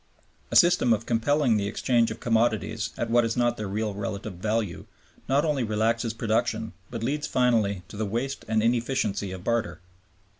A system of compelling the exchange of commodities at what is not their real relative value not only relaxes production, but leads finally to the waste and inefficiency of barter.